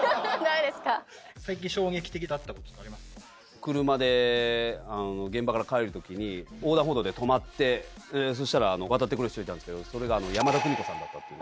最近、車で現場から帰るときに、横断歩道で止まって、そしたら渡ってくる人がいたんですけど、それが山田邦子さんだったっていう。